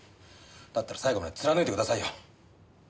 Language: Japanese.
だったら最後まで貫いてくださいよ。